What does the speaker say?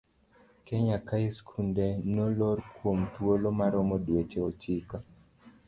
Kenya kae skunde nolor kuom thuolo maromo dweche ochiko.